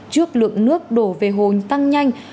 trước lượng nước đổ về hồ tăng nhanh